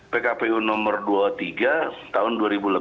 pkpu nomor dua puluh tiga tahun dua ribu delapan belas